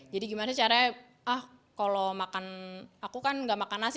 jadi gimana caranya kalau makan aku kan gak makan nasi